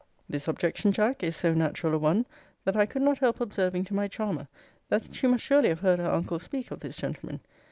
This objection, Jack, is so natural a one, that I could not help observing to my charmer, that she must surely have heard her uncle speak of this gentleman.